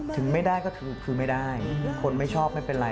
ถึงไม่ได้ก็คือไม่ได้คนไม่ชอบไม่เป็นไร